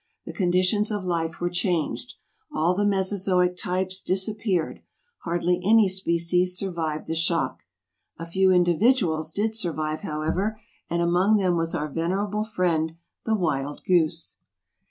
The conditions of life were changed. All the Mesozoic types disappeared; hardly any species 169 survived the shock." A few individuals did survive, however, and among them was our venerable friend, the wild goose.